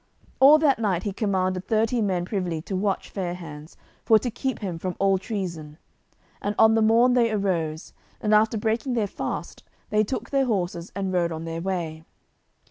All that night he commanded thirty men privily to watch Fair hands for to keep him from all treason. And on the morn they arose, and after breaking their fast they took their horses and rode on their way.